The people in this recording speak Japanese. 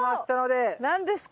お何ですか？